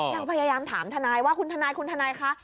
ยังพยายามถามทนายว่าคุณทนายคุณทนายคะ